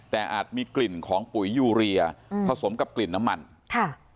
แต่อาจมีกลิ่นของปุ๋ยยูเรียอืมผสมกับกลิ่นน้ำมันค่ะ